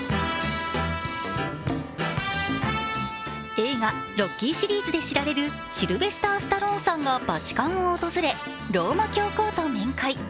映画「ロッキー」シリーズで知られるシルヴェスター・スタローンさんがバチカンを訪れ、ローマ教皇と面会。